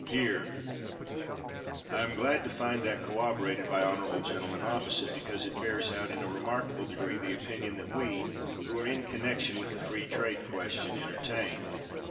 [Hear!] I am glad to find that corroborated by honorable gentlemen opposite, because it bears out, in a remarkable degree, the opinion that we, who are in connection with the free trade question, entertain.